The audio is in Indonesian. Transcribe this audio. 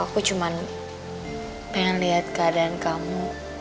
aku cuma pengen lihat keadaan kamu